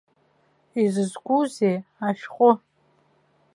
Изызкузеи ашәҟәы?